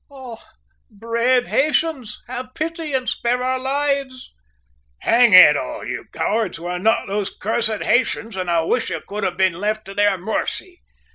"Ah! brave Haytians! Have pity, and spare our lives!" "Hang it all, you cowards, we're not those cursed Haytians, and I wish you could have been left to their mercy!